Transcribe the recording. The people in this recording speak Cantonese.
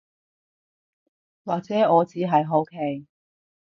或者我只係好奇